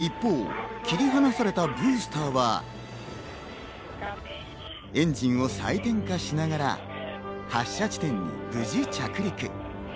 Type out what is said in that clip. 一方、切り離されたブースターはエンジンを再点火しながら発射地点に無事着陸。